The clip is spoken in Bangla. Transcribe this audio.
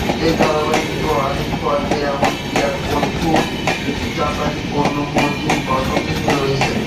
এই ধারাবাহিকের অনেক পর্বে এমনকি এক অদ্ভুত জাপানি "বন্য পশ্চিম" পটভূমি রয়েছে।